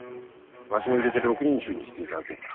わしも入れて６人衆にしていただこうか。